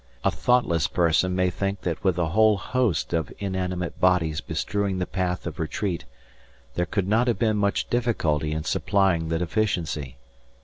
A thoughtless person may think that with a whole host of inanimate bodies bestrewing the path of retreat there could not have been much difficulty in supplying the deficiency.